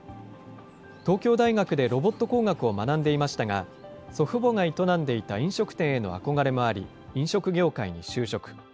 東京大学でロボット工学を学んでいましたが、祖父母が営んでいた飲食店への憧れもあり、飲食業界に就職。